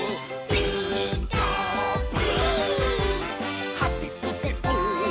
「ピーカーブ！」